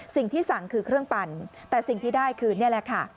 สิ่งที่สั่งคือเครื่องปั่นแต่สิ่งที่ได้คือนี่แหละค่ะ